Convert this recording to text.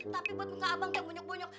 tapi buat muka abang kayak bunyok bunyok